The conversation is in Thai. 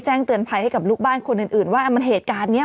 เตือนภัยให้กับลูกบ้านคนอื่นว่ามันเหตุการณ์นี้